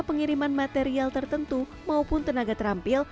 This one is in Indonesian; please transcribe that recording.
pengiriman material tertentu maupun tenaga terampil